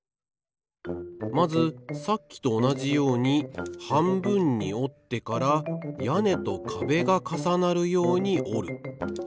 まずさっきとおなじようにはんぶんにおってからやねとかべがかさなるようにおる。